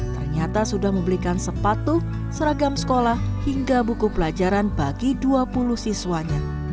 ternyata sudah membelikan sepatu seragam sekolah hingga buku pelajaran bagi dua puluh siswanya